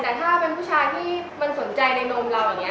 แต่ถ้าเป็นผู้ชายที่มันสนใจในนมเราอย่างนี้